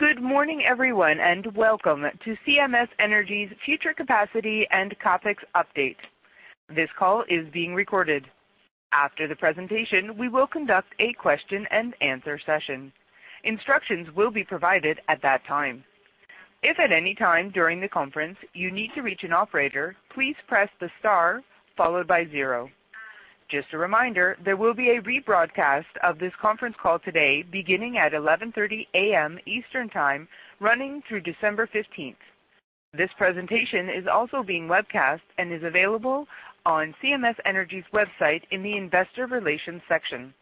Good morning everyone, welcome to CMS Energy's future capacity and CapEx update. This call is being recorded. After the presentation, we will conduct a question-and-answer session. Instructions will be provided at that time. If at any time during the conference you need to reach an operator, please press the star followed by zero. Just a reminder, there will be a rebroadcast of this conference call today beginning at 11:30 A.M. Eastern Time, running through December 15th. This presentation is also being webcast and is available on CMS Energy's website in the investor relations section.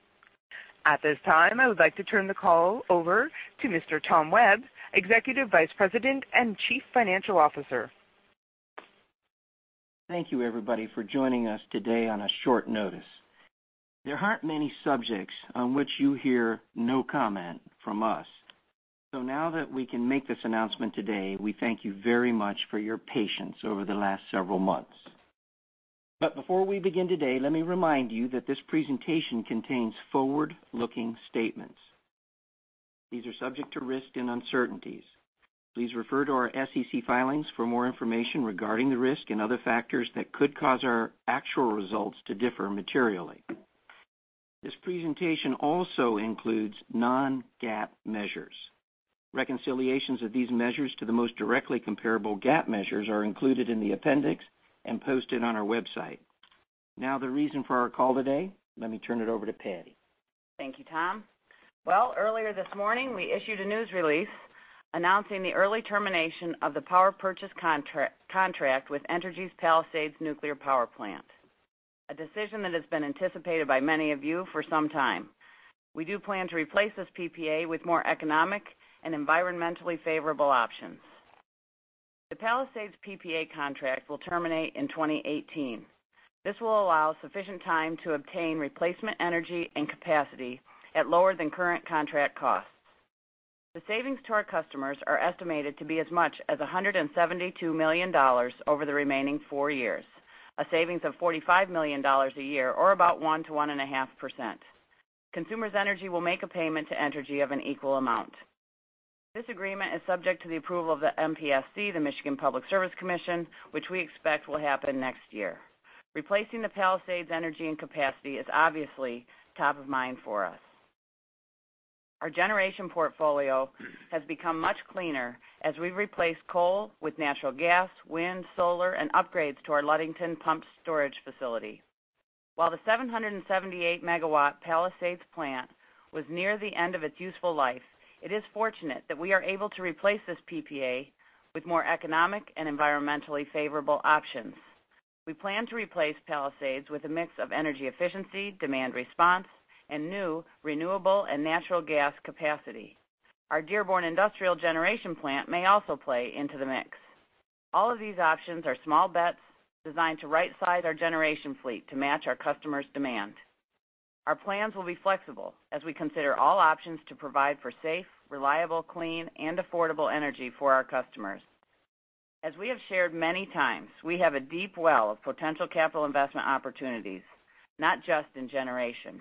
At this time, I would like to turn the call over to Mr. Tom Webb, Executive Vice President and Chief Financial Officer. Thank you everybody for joining us today on a short notice. There aren't many subjects on which you hear "no comment" from us. Now that we can make this announcement today, we thank you very much for your patience over the last several months. Before we begin today, let me remind you that this presentation contains forward-looking statements. These are subject to risks and uncertainties. Please refer to our SEC filings for more information regarding the risk and other factors that could cause our actual results to differ materially. This presentation also includes non-GAAP measures. Reconciliations of these measures to the most directly comparable GAAP measures are included in the appendix and posted on our website. The reason for our call today, let me turn it over to Patti. Thank you, Tom. Earlier this morning, we issued a news release announcing the early termination of the power purchase contract with Entergy's Palisades Nuclear Power Plant, a decision that has been anticipated by many of you for some time. We do plan to replace this PPA with more economic and environmentally favorable options. The Palisades PPA contract will terminate in 2018. This will allow sufficient time to obtain replacement energy and capacity at lower than current contract costs. The savings to our customers are estimated to be as much as $172 million over the remaining four years, a savings of $45 million a year, or about 1%-1.5%. Consumers Energy will make a payment to Entergy of an equal amount. This agreement is subject to the approval of the MPSC, the Michigan Public Service Commission, which we expect will happen next year. Replacing the Palisades energy and capacity is obviously top of mind for us. Our generation portfolio has become much cleaner as we've replaced coal with natural gas, wind, solar, and upgrades to our Ludington pumped storage facility. While the 778 megawatt Palisades plant was near the end of its useful life, it is fortunate that we are able to replace this PPA with more economic and environmentally favorable options. We plan to replace Palisades with a mix of energy efficiency, demand response, and new renewable and natural gas capacity. Our Dearborn Industrial Generation plant may also play into the mix. All of these options are small bets designed to right-size our generation fleet to match our customers' demand. Our plans will be flexible as we consider all options to provide for safe, reliable, clean, and affordable energy for our customers. As we have shared many times, we have a deep well of potential capital investment opportunities, not just in generation.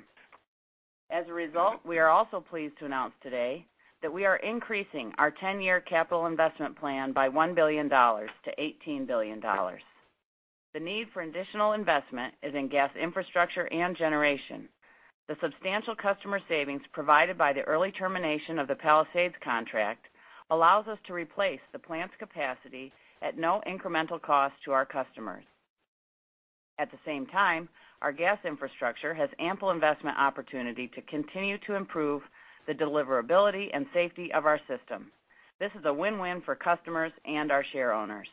As a result, we are also pleased to announce today that we are increasing our 10-year capital investment plan by $1 billion-$18 billion. The need for additional investment is in gas infrastructure and generation. The substantial customer savings provided by the early termination of the Palisades contract allows us to replace the plant's capacity at no incremental cost to our customers. At the same time, our gas infrastructure has ample investment opportunity to continue to improve the deliverability and safety of our system. This is a win-win for customers and our shareowners.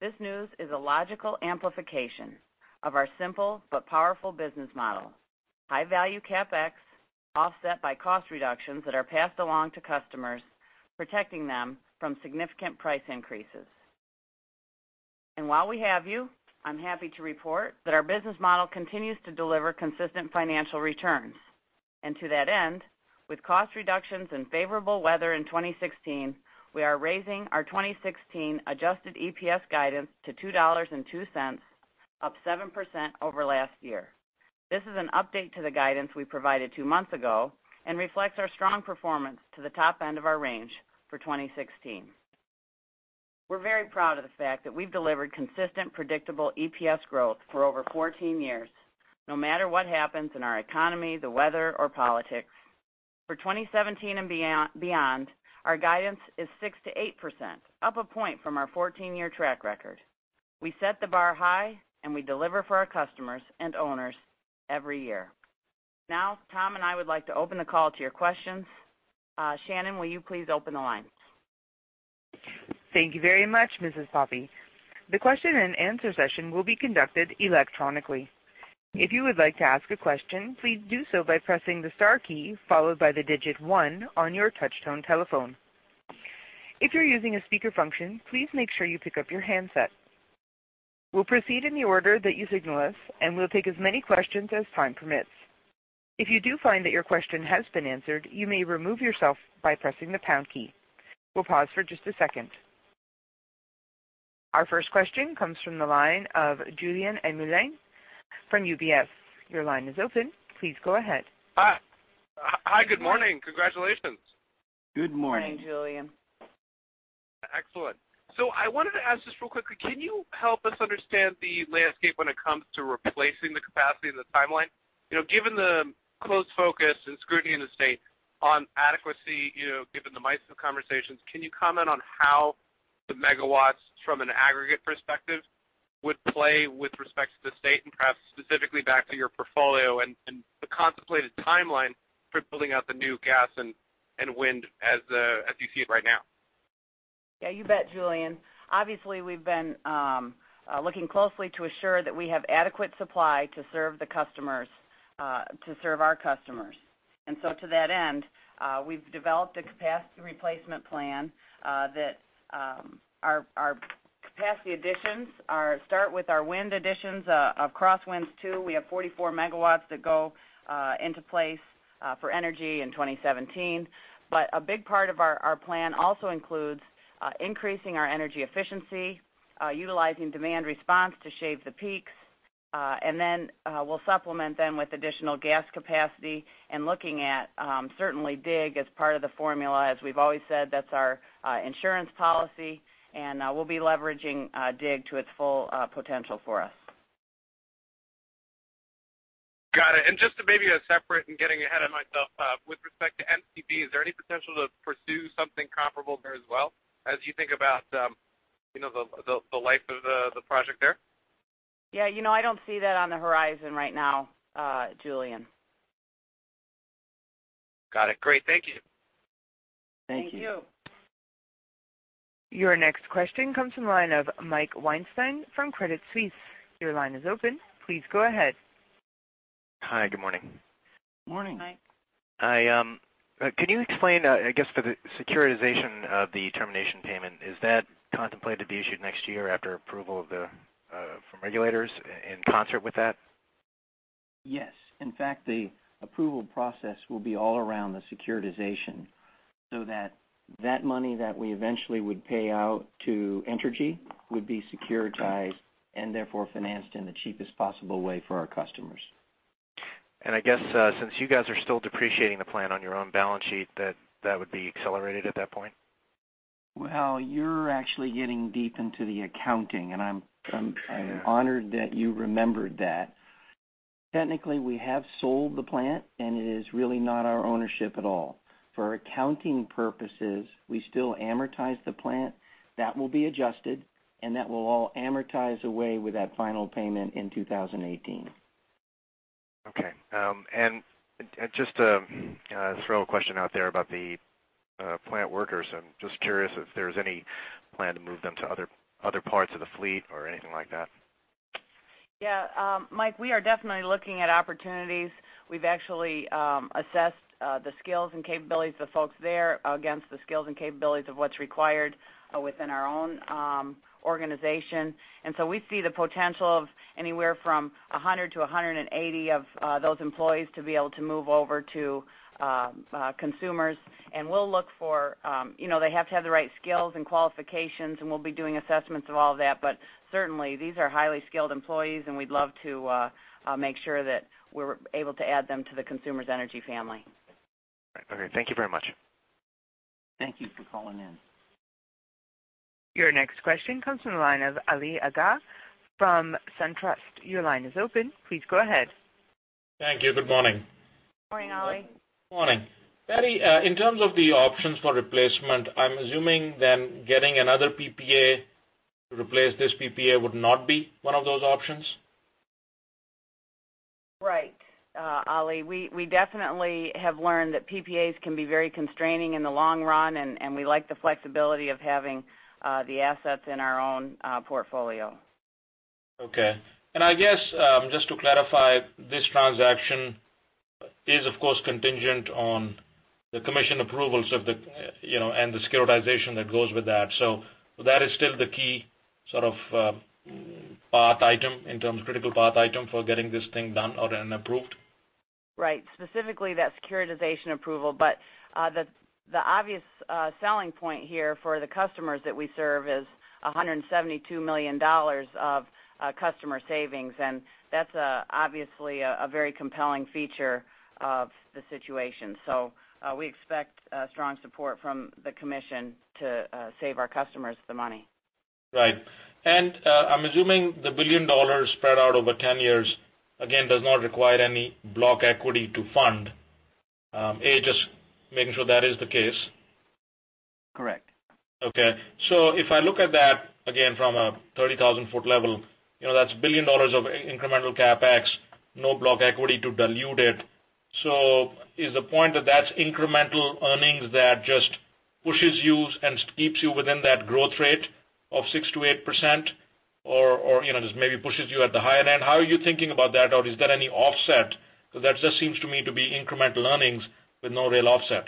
This news is a logical amplification of our simple but powerful business model. High-value CapEx offset by cost reductions that are passed along to customers, protecting them from significant price increases. While we have you, I'm happy to report that our business model continues to deliver consistent financial returns. To that end, with cost reductions and favorable weather in 2016, we are raising our 2016 adjusted EPS guidance to $2.02, up 7% over last year. This is an update to the guidance we provided two months ago and reflects our strong performance to the top end of our range for 2016. We're very proud of the fact that we've delivered consistent, predictable EPS growth for over 14 years, no matter what happens in our economy, the weather, or politics. For 2017 and beyond, our guidance is 6%-8%, up 1 point from our 14-year track record. We set the bar high, and we deliver for our customers and owners every year. Tom and I would like to open the call to your questions. Shannon, will you please open the lines? Thank you very much, Mrs. Poppe. The question-and-answer session will be conducted electronically. If you would like to ask a question, please do so by pressing the star key followed by the digit one on your touchtone telephone. If you're using a speaker function, please make sure you pick up your handset. We'll proceed in the order that you signal us, and we'll take as many questions as time permits. If you do find that your question has been answered, you may remove yourself by pressing the pound key. We'll pause for just a second. Our first question comes from the line of Julien Dumoulin-Smith from UBS. Your line is open. Please go ahead. Hi. Good morning. Congratulations. Good morning. Morning, Julien. Excellent. I wanted to ask just real quickly, can you help us understand the landscape when it comes to replacing the capacity and the timeline? Given the close focus and scrutiny in the state on adequacy, given the MISO conversations, can you comment on how the megawatts from an aggregate perspective would play with respect to the state and perhaps specifically back to your portfolio and the contemplated timeline for building out the new gas and wind as you see it right now? Yeah, you bet, Julien. Obviously, we've been looking closely to assure that we have adequate supply to serve our customers. To that end, we've developed a capacity replacement plan that our capacity additions start with our wind additions of Cross Winds Two. We have 44 MW that go into place for energy in 2017. A big part of our plan also includes increasing our energy efficiency, utilizing demand response to shave the peaks, we'll supplement them with additional gas capacity and looking at certainly DIG as part of the formula. As we've always said, that's our insurance policy, and we'll be leveraging DIG to its full potential for us. Got it. Just to maybe separate and getting ahead of myself, with respect to MCV, is there any potential to pursue something comparable there as well as you think about the life of the project there? Yeah, I don't see that on the horizon right now, Julien. Got it. Great. Thank you. Thank you. Thank you. Your next question comes from the line of Mike Weinstein from Credit Suisse. Your line is open. Please go ahead. Hi. Good morning. Morning. Hi. Can you explain, I guess for the securitization of the termination payment, is that contemplated to be issued next year after approval from regulators in concert with that? Yes. In fact, the approval process will be all around the securitization so that that money that we eventually would pay out to Entergy would be securitized and therefore financed in the cheapest possible way for our customers. I guess since you guys are still depreciating the plant on your own balance sheet, that would be accelerated at that point? Well, you're actually getting deep into the accounting, and I'm honored that you remembered that. Technically, we have sold the plant, and it is really not our ownership at all. For accounting purposes, we still amortize the plant. That will be adjusted, and that will all amortize away with that final payment in 2018. Okay. Just to throw a question out there about the plant workers, I'm just curious if there's any plan to move them to other parts of the fleet or anything like that. Yeah, Mike, we are definitely looking at opportunities. We've actually assessed the skills and capabilities of folks there against the skills and capabilities of what's required within our own organization. We see the potential of anywhere from 100 to 180 of those employees to be able to move over to Consumers. They have to have the right skills and qualifications, and we'll be doing assessments of all that. Certainly these are highly skilled employees, and we'd love to make sure that we're able to add them to the Consumers Energy family. Right. Okay. Thank you very much. Thank you for calling in. Your next question comes from the line of Ali Agha from SunTrust. Your line is open. Please go ahead. Thank you. Good morning. Morning, Ali. Morning. Patti, in terms of the options for replacement, I'm assuming then getting another PPA to replace this PPA would not be one of those options? Right. Ali, we definitely have learned that PPAs can be very constraining in the long run, and we like the flexibility of having the assets in our own portfolio. Okay. I guess, just to clarify, this transaction is, of course, contingent on the commission approvals and the securitization that goes with that. That is still the key sort of path item in terms of critical path item for getting this thing done or then approved? Right. Specifically, that securitization approval. The obvious selling point here for the customers that we serve is $172 million of customer savings, that's obviously a very compelling feature of the situation. We expect strong support from the commission to save our customers the money. Right. I'm assuming the $1 billion spread out over 10 years, again, does not require any block equity to fund. Just making sure that is the case. Correct. Okay. If I look at that again from a 30,000-ft level, that's $1 billion of incremental CapEx, no block equity to dilute it. Is the point that that's incremental earnings that just pushes you and keeps you within that growth rate of 6%-8%? Just maybe pushes you at the higher end? How are you thinking about that? Is there any offset? That just seems to me to be incremental earnings with no real offset.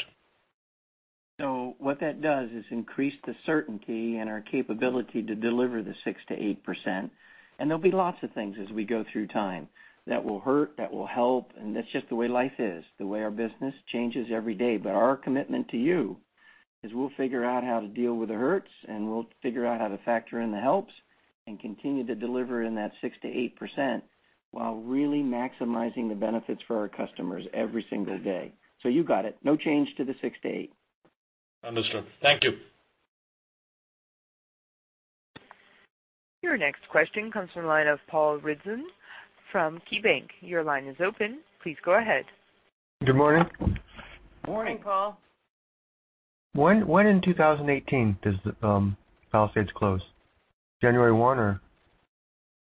What that does is increase the certainty and our capability to deliver the 6%-8%. There'll be lots of things as we go through time that will hurt, that will help, and that's just the way life is, the way our business changes every day. Our commitment to you is we'll figure out how to deal with the hurts, and we'll figure out how to factor in the helps, and continue to deliver in that 6%-8% while really maximizing the benefits for our customers every single day. You got it. No change to the 6%-8%. Understood. Thank you. Your next question comes from the line of Paul Ridzon from KeyBanc. Your line is open. Please go ahead. Good morning. Morning. Morning, Paul. When in 2018 does Palisades close? January 1 or?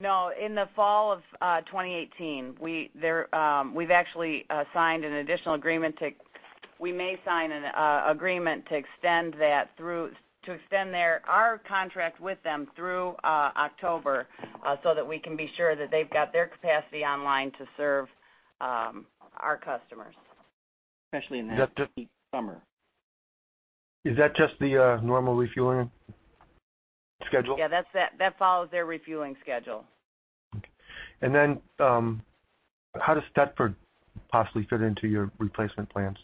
No, in the fall of 2018. We've actually signed an additional agreement. We may sign an agreement to extend our contract with them through October, so that we can be sure that they've got their capacity online to serve our customers. Especially in that peak summer. Is that just the normal refueling schedule? Yeah, that follows their refueling schedule. Okay. How does Thetford possibly fit into your replacement plans?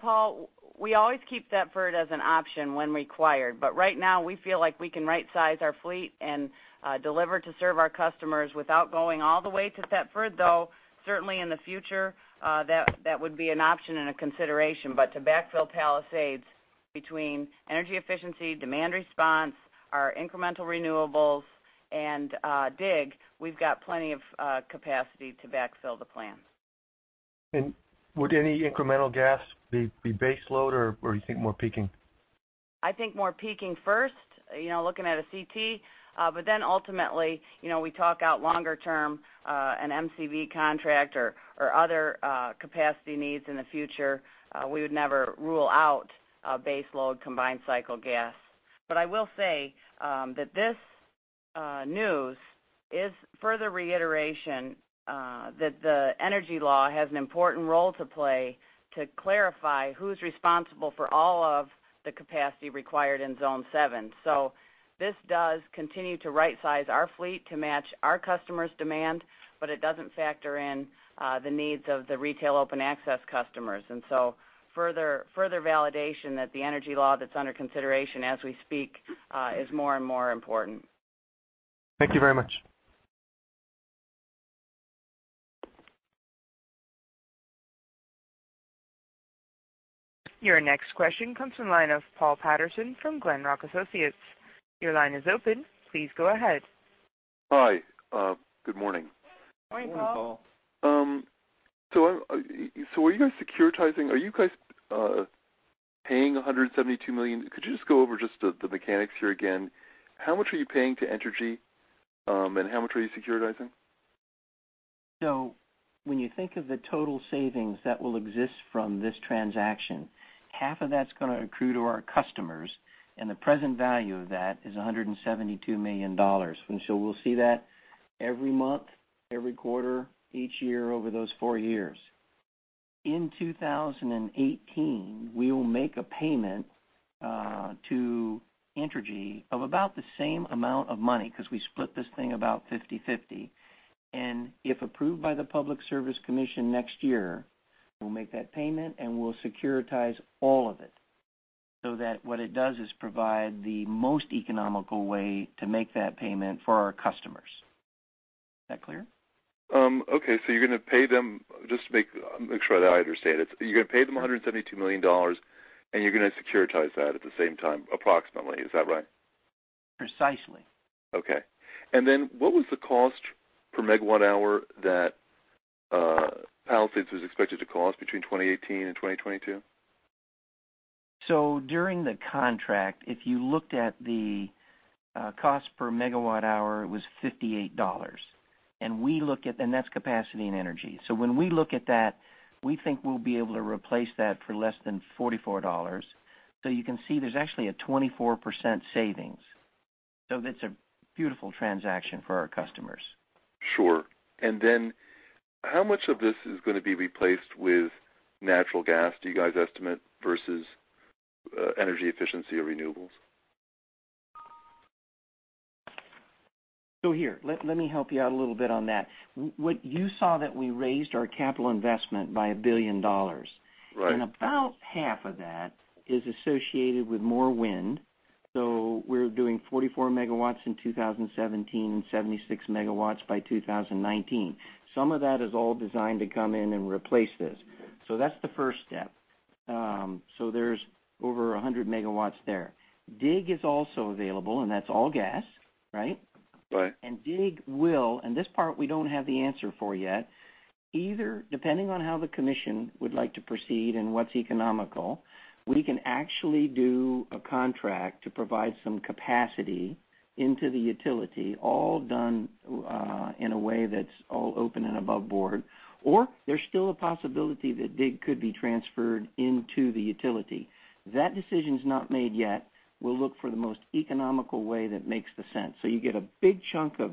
Paul, we always keep Thetford as an option when required. Right now, we feel like we can right-size our fleet and deliver to serve our customers without going all the way to Thetford, though, certainly in the future, that would be an option and a consideration. To backfill Palisades between energy efficiency, demand response, our incremental renewables, and DIG, we've got plenty of capacity to backfill the plan. Would any incremental gas be base load or you think more peaking? I think more peaking first, looking at a CT. Ultimately, we talk out longer term, an MCV contract or other capacity needs in the future. We would never rule out a base load combined cycle gas. I will say that this news is further reiteration that the energy law has an important role to play to clarify who's responsible for all of the capacity required in Zone 7. This does continue to right-size our fleet to match our customers' demand, but it doesn't factor in the needs of the retail open access customers. Further validation that the energy law that's under consideration as we speak is more and more important. Thank you very much. Your next question comes from the line of Paul Patterson from Glenrock Associates. Your line is open. Please go ahead. Hi. Good morning. Morning, Paul. Morning, Paul. Are you guys paying $172 million? Could you just go over just the mechanics here again? How much are you paying to Entergy? How much are you securitizing? When you think of the total savings that will exist from this transaction, half of that's going to accrue to our customers, and the present value of that is $172 million. We'll see that every month, every quarter, each year, over those four years. In 2018, we will make a payment to Entergy of about the same amount of money because we split this thing about 50-50. If approved by the Michigan Public Service Commission next year, we'll make that payment, and we'll securitize all of it. That what it does is provide the most economical way to make that payment for our customers. Is that clear? You're going to pay them, just to make sure that I understand it. You're going to pay them $172 million, you're going to securitize that at the same time approximately. Is that right? Precisely. What was the cost per megawatt hour that Palisades was expected to cost between 2018 and 2022? During the contract, if you looked at the cost per megawatt hour, it was $58. That's capacity and energy. When we look at that, we think we'll be able to replace that for less than $44. You can see there's actually a 24% savings. That's a beautiful transaction for our customers. Sure. Then how much of this is going to be replaced with natural gas, do you guys estimate, versus energy efficiency or renewables? Here, let me help you out a little bit on that. What you saw that we raised our capital investment by $1 billion. Right. About half of that is associated with more wind. We're doing 44 MW in 2017 and 76 MW by 2019. Some of that is all designed to come in and replace this. That's the first step. There's over 100 MW there. DIG is also available, and that's all gas, right? Right. DIG will, this part we don't have the answer for yet, either depending on how the Commission would like to proceed and what's economical, we can actually do a contract to provide some capacity into the utility, all done in a way that's all open and above board. There's still a possibility that DIG could be transferred into the utility. That decision's not made yet. We'll look for the most economical way that makes sense. You get a big chunk of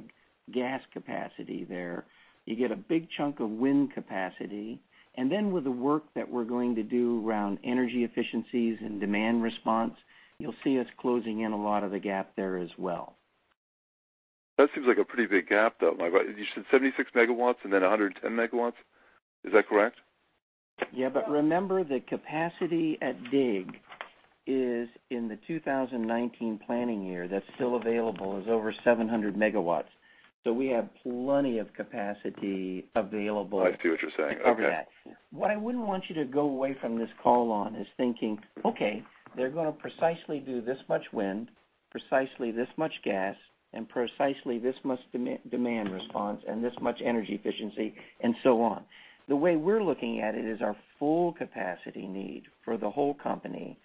gas capacity there. You get a big chunk of wind capacity. With the work that we're going to do around energy efficiencies and demand response, you'll see us closing in a lot of the gap there as well. That seems like a pretty big gap, though, Mike. You said 76 MW and then 110 MW. Is that correct? Remember the capacity at DIG is in the 2019 planning year that's still available is over 700 MW. We have plenty of capacity available- I see what you're saying. Okay to cover that. What I wouldn't want you to go away from this call on is thinking, okay, they're going to precisely do this much wind, precisely this much gas, and precisely this much demand response and this much energy efficiency, and so on. The way we're looking at it is our full capacity need for the whole company,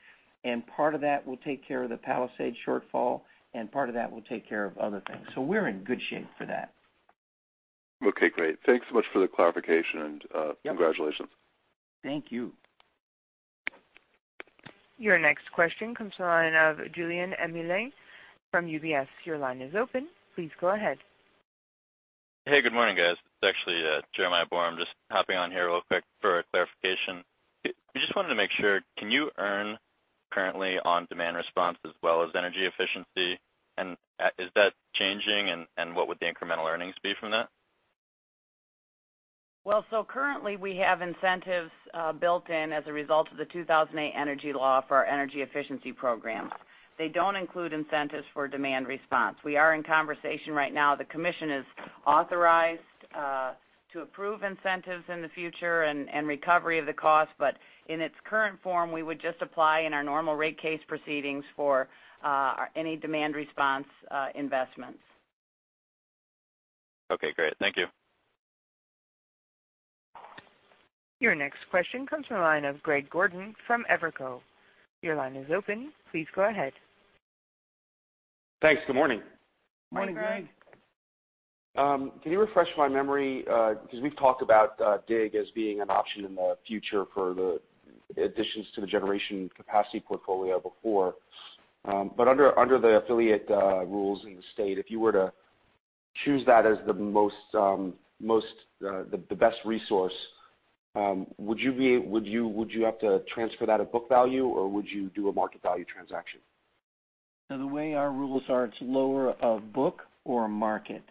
and part of that will take care of the Palisades shortfall, and part of that will take care of other things. We're in good shape for that. Okay, great. Thanks so much for the clarification and. Yep congratulations. Thank you. Your next question comes to the line of Julien Dumoulin from UBS. Your line is open. Please go ahead. Good morning, guys. It's Jeremiah Bore. I'm just hopping on here real quick for a clarification. We just wanted to make sure, can you earn currently on demand response as well as energy efficiency? Is that changing, and what would the incremental earnings be from that? Currently we have incentives built in as a result of the 2008 energy law for our energy efficiency programs. They don't include incentives for demand response. We are in conversation right now. The commission is authorized to approve incentives in the future and recovery of the cost. In its current form, we would just apply in our normal rate case proceedings for any demand response investments. Okay, great. Thank you. Your next question comes from the line of Greg Gordon from Evercore. Your line is open. Please go ahead. Thanks. Good morning. Morning, Greg. Can you refresh my memory? We've talked about DIG as being an option in the future for the additions to the generation capacity portfolio before. Under the affiliate rules in the state, if you were to choose that as the most, the best resource, would you have to transfer that at book value, or would you do a market value transaction? The way our rules are, it's lower of book or market.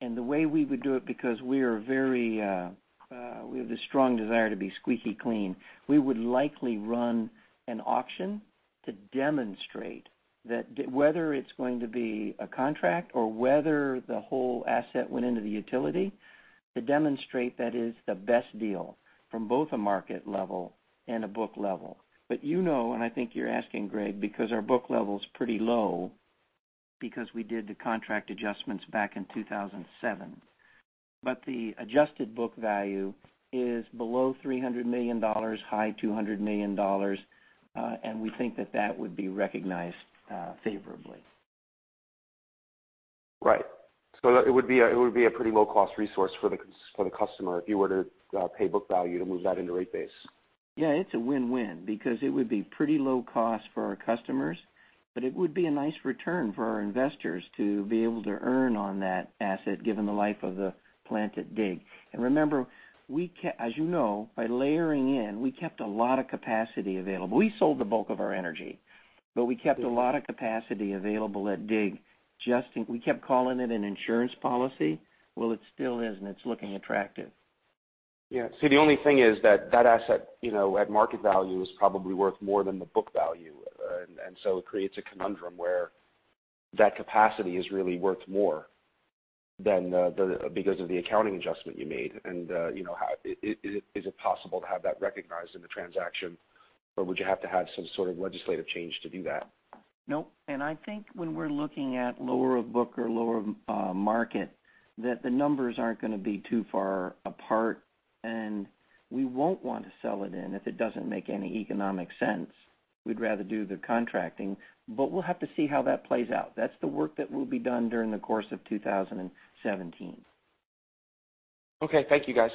The way we would do it, because we are very, we have this strong desire to be squeaky clean, we would likely run an auction to demonstrate that whether it's going to be a contract or whether the whole asset went into the utility to demonstrate that is the best deal from both a market level and a book level. You know, and I think you're asking, Greg, because our book level is pretty low because we did the contract adjustments back in 2007. The adjusted book value is below $300 million, high $200 million. We think that that would be recognized favorably. Right. It would be a pretty low-cost resource for the customer if you were to pay book value to move that into rate base. Yeah, it's a win-win because it would be pretty low cost for our customers, but it would be a nice return for our investors to be able to earn on that asset, given the life of the plant at DIG. Remember, as you know, by layering in, we kept a lot of capacity available. We sold the bulk of our energy, but we kept a lot of capacity available at DIG. We kept calling it an insurance policy. It still is, and it's looking attractive. Yeah. See, the only thing is that that asset at market value is probably worth more than the book value. It creates a conundrum where that capacity is really worth more than because of the accounting adjustment you made. Is it possible to have that recognized in the transaction, or would you have to have some sort of legislative change to do that? No. I think when we're looking at lower of book or lower market, that the numbers aren't going to be too far apart, and we won't want to sell it then if it doesn't make any economic sense. We'd rather do the contracting. We'll have to see how that plays out. That's the work that will be done during the course of 2017. Okay. Thank you, guys.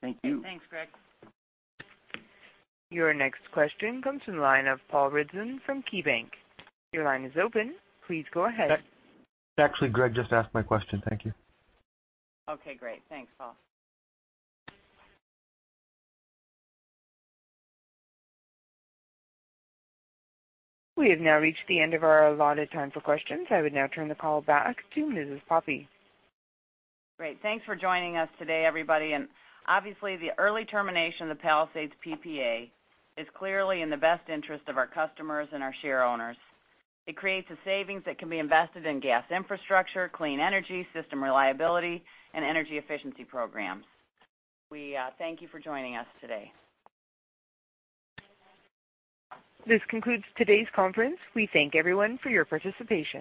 Thank you. Thanks, Greg. Your next question comes from the line of Paul Ridzon from KeyBanc. Your line is open. Please go ahead. Actually, Greg just asked my question. Thank you. Okay, great. Thanks, Paul. We have now reached the end of our allotted time for questions. I would now turn the call back to Mrs. Poppe. Great. Thanks for joining us today, everybody. Obviously, the early termination of the Palisades PPA is clearly in the best interest of our customers and our share owners. It creates a savings that can be invested in gas infrastructure, clean energy, system reliability, and energy efficiency programs. We thank you for joining us today. This concludes today's conference. We thank everyone for your participation.